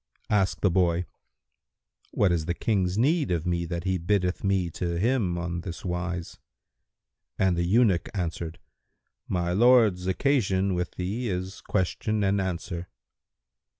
Asked the boy, "What is the King's need of me that he biddeth me to him on this wise?", and the eunuch answered, "My lord's occasion with thee is question and answer."